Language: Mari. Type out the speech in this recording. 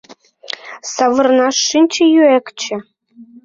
Савырнал шинче Ӱэкче.